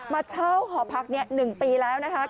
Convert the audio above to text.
มาเช่าหอพักนี้๑ปีแล้วนะคะ